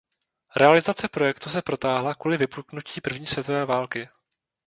Realizace projektu se protáhla kvůli vypuknutí první světové války.